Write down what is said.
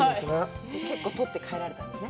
取って帰られたんですね？